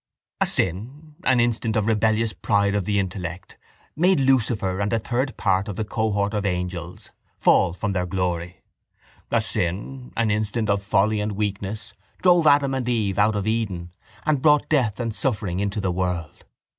—A sin, an instant of rebellious pride of the intellect, made Lucifer and a third part of the cohort of angels fall from their glory. A sin, an instant of folly and weakness, drove Adam and Eve out of Eden and brought death and suffering into the world.